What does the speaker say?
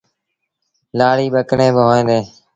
لآڙيٚ ٻڪريݩ با هوئين ديٚݩ ۔